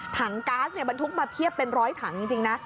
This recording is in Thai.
ก๊าซบรรทุกมาเพียบเป็นร้อยถังจริงนะ